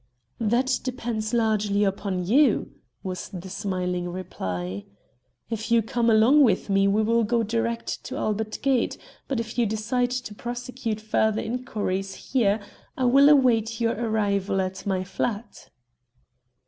"That depends largely upon you," was the smiling reply. "If you come with me we will go direct to Albert Gate, but if you decide to prosecute further inquiries here, I will await your arrival at my flat."